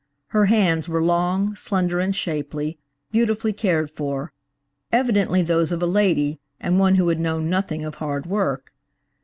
Her hands were long, slender and shapely, beautifully cared for–evidently those of a lady and one who had known nothing of hard work.